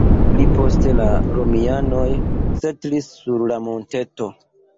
Pli poste la romianoj setlis sur la monteto.